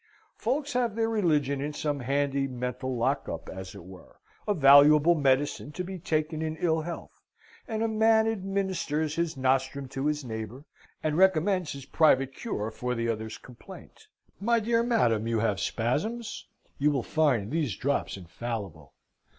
Folks have their religion in some handy mental lock up, as it were a valuable medicine, to be taken in ill health; and a man administers his nostrum to his neighbour, and recommends his private cure for the other's complaint. "My dear madam, you have spasms? You will find these drops infallible!"